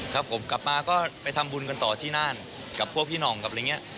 ครับผมกลับมาก็ไปทำบุญกันต่อที่นั่นกับพวกพี่หน่องกับอะไรอย่างนี้